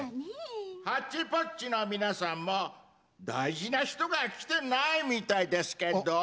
「ハッチポッチ」の皆さんも大事な人が来てないみたいですけど？